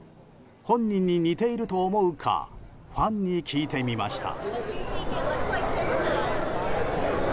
本人に似ていると思うかファンに聞いてみました。